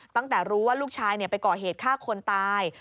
ตั้งแต่รู้ว่าลูกชายไปก่อเหตุฆ่าคนตาย